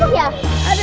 aduh aduh aduh